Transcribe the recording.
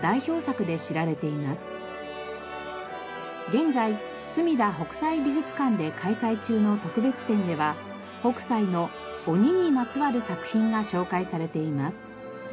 現在すみだ北斎美術館で開催中の特別展では北斎の鬼にまつわる作品が紹介されています。